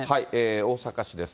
大阪市です。